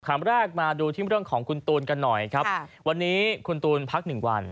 คำแรกมาดูที่เรื่องของคุณตูนกันหน่อยครับวันนี้คุณตูนพักหนึ่งวัน